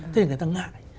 thế thì người ta ngại